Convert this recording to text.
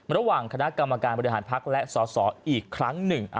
ระหว่างคณะกรรมการบริหารพักและสสอีกครั้งหนึ่ง